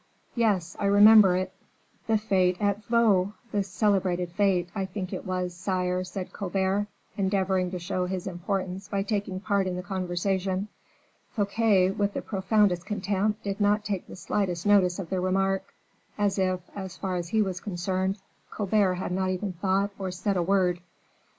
"Yes, I remember it." "The fete at Vaux, the celebrated fete, I think, it was, sire," said Colbert, endeavoring to show his importance by taking part in the conversation. Fouquet, with the profoundest contempt, did not take the slightest notice of the remark, as if, as far as he was concerned, Colbert had not even thought or said a word.